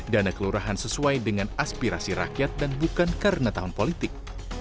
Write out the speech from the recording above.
dana kelurahan sesuai dengan aspirasi rakyat dan bukan karena tahun politik